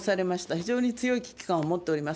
非常に強い危機感を持っております。